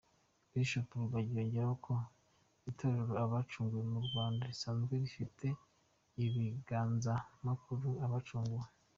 Bishop Rugagi yongeyeho ko Itorero Abacunguwe mu Rwanda risanzwe rifite ibingazamakuru ‘Abacunguwe.